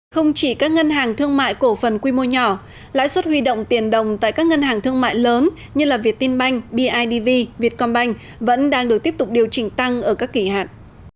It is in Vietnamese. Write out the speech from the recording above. không chỉ các ngân hàng thương mại cổ phần quy mô nhỏ lãi suất huy động tiền đồng tại các ngân hàng thương mại lớn như việt tin banh bidv vietcombank vẫn đang được tiếp tục điều chỉnh tăng ở các kỳ hạn